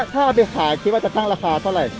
ถ้าเอาไปขายคิดว่าจะตั้งราคาเท่าไหร่